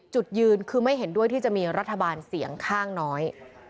จุดยืนคือไม่เห็นด้วยที่จะมีรัฐบาลเสียงข้างน้อย